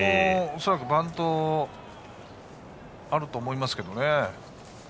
恐らくバントはあると思いますけどね。